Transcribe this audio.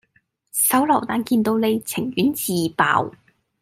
手榴彈見到你，情願自爆